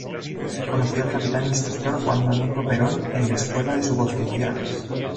Conoció al capitán instructor Juan Domingo Perón en la Escuela de Suboficiales.